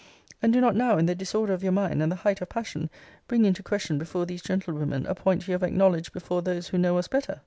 And do not now, in the disorder of your mind, and the height of passion, bring into question before these gentlewomen a point you have acknowledged before those who know us better.